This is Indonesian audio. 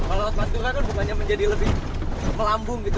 kalau pantura kan rumahnya menjadi lebih melambung gitu